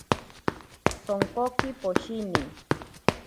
Sonkoki poshiniri.